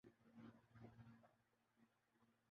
Bosnia اور Herzegovina